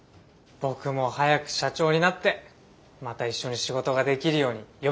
僕も早く社長になってまた一緒に仕事ができるように呼び戻しますんで。